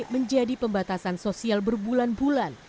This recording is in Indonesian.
menjadi pembatasan sosial berbulan bulan